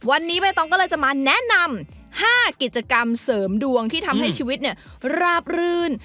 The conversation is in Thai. วันนี้ใบตองก็เลยจะมาแนะนำ๕กิจกรรมเสริมดวงที่ทำให้ชีวิตราบรื่น